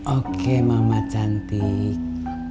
oke mama cantik